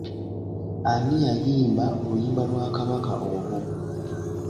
Ani yayimba oluyimba lwa Kabaka olwo?